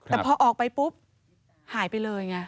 แต่พอออกไปปุ๊บหายไปเลยไง